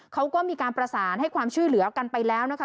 เขาก็มีการประสานให้ความช่วยเหลือกันไปแล้วนะคะ